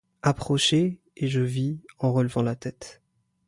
Approchait, et je vis, en relevant la tête